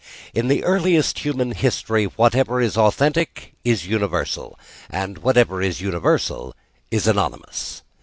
In the earliest human history whatever is authentic is universal: and whatever is universal is anonymous.